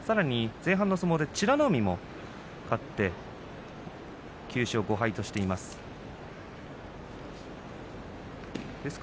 前半の相撲で美ノ海も勝って９勝５敗としています。